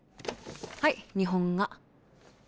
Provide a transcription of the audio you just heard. はい日本画。